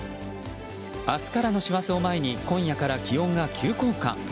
明日からの師走を前に今夜から気温が急降下。